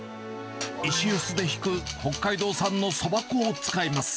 石うすでひく北海道産のそば粉を使います。